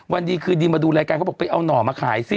วันดีคืนดีมาดูรายการเขาบอกไปเอาหน่อมาขายสิ